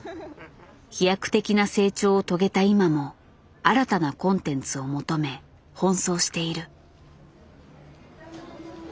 飛躍的な成長を遂げた今も新たなコンテンツを求め奔走している。